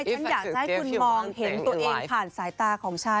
ฉันอยากจะให้คุณมองเห็นตัวเองผ่านสายตาของฉัน